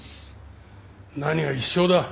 何が「一生」だ。